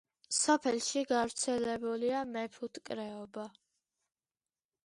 სოფელში გავრცელებულია მეფუტკრეობა.